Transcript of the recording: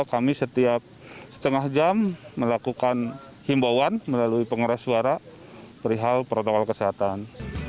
kami setiap setengah jam melakukan himbauan melalui pengeras suara perihal protokol kesehatan